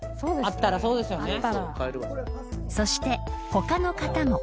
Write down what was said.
［そして他の方も］